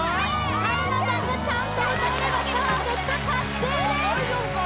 春菜さんがちゃんと歌えればパーフェクト達成です大丈夫か？